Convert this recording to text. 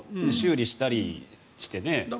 修理したりしてね。